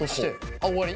あっ終わり？